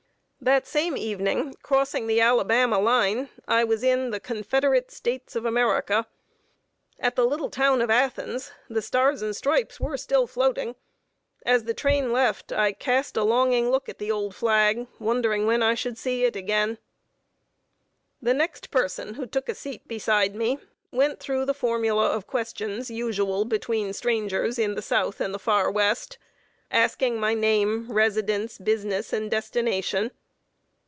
The same evening, crossing the Alabama line, I was in the "Confederate States of America." At the little town of Athens, the Stars and Stripes were still floating; as the train left, I cast a longing look at the old flag, wondering when I should see it again. [Sidenote: "OUR CORRESPONDENT" AS A NEW MEXICAN.] The next person who took a seat beside me went through the formula of questions, usual between strangers in the South and the Far West, asking my name, residence, business, and destination.